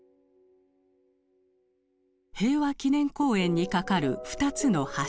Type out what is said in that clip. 平和記念公園に架かる２つの橋。